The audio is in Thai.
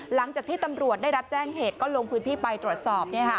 หลังจากที่ตำรวจได้รับแจ้งเหตุก็ลงพื้นที่ไปตรวจสอบ